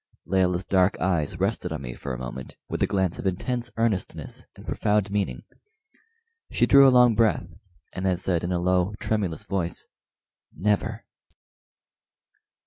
Layelah's dark eyes rested on me for a moment with a glance of intense earnestness and profound meaning. She drew a long breath, and then said, in a low, tremulous voice, "Never!"